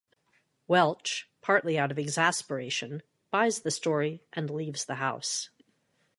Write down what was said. Welch, partly out of exasperation, buys the story and leaves the house.